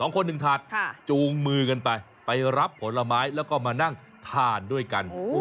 คนหนึ่งถาดจูงมือกันไปไปรับผลไม้แล้วก็มานั่งทานด้วยกัน